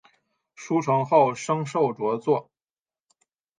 书成后升授着作。